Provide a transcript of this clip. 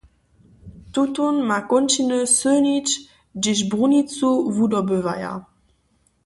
Tutón ma kónčiny sylnić, hdźež brunicu wudobywaja.